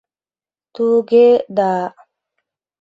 — Ту-уге... да-а...